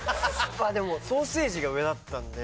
でもソーセージが上だったので。